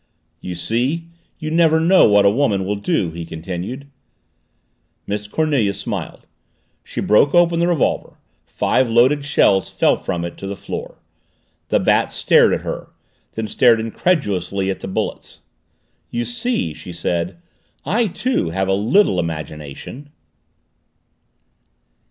"You see you never know what a woman will do," he continued. Miss Cornelia smiled. She broke open the revolver, five loaded shells fell from it to the floor. The Bat stared at her then stared incredulously at the bullets. "You see," she said, "I, too, have a little imagination!"